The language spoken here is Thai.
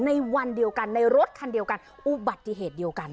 ในรถคันเดียวกันอุบัติเหตุเดียวกัน